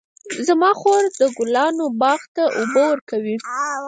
زما خور د ګلانو باغ ته اوبه ورکوي.